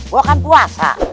gua kan puasa